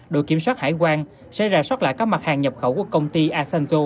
đội kiểm soát hải quan sẽ rà soát lại các mặt hàng nhập khẩu của công ty asanjo